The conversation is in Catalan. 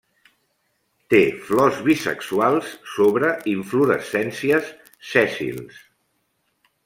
Té flors bisexuals sobre inflorescències sèssils.